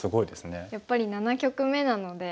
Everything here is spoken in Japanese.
やっぱり７局目なので。